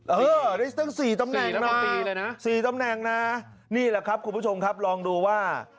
เออได้ตั้ง๔ตำแหน่ง๔ตำแหน่งนะนี่แหละครับคุณผู้ชมครับลองดูว่า